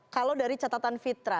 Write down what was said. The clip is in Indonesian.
kalau dari catatan fitra